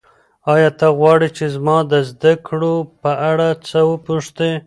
ایا ته غواړې چې زما د زده کړو په اړه څه وپوښتې؟